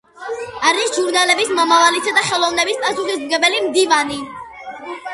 არის ჟურნალების „მომავლისა“ და „ხელოვნების“ პასუხისმგებელი მდივანი.